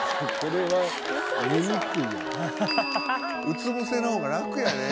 「うつぶせの方がラクやで」